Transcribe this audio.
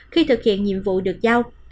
khi thực hiện nhiệm vụ được giao